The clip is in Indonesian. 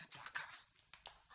enggak mak pasurusan bohong sama emak